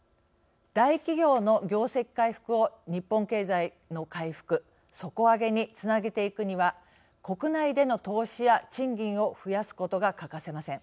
大企業の業績回復を日本経済の回復底上げにつなげていくには国内での投資や賃金を増やすことが欠かせません。